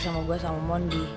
sama gue sama mondi